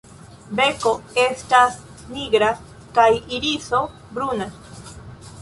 Beko estas nigra kaj iriso bruna.